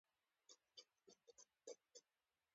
په ډله کې کار کول لاسته راوړنې زیاتوي.